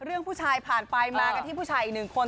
ผู้ชายผ่านไปมากันที่ผู้ชายอีกหนึ่งคน